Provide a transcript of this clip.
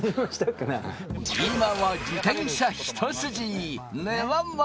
今は自転車一筋。